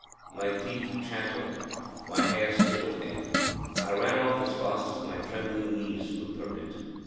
My teeth chattered my hair stood on end; I ran off as fast as my trembling knees would permit.